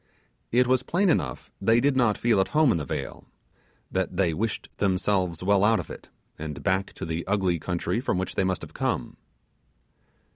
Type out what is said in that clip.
It was plain enough they did not feel at home in the vale that they wished themselves well out of it, and back to the ugly country from which they must have come.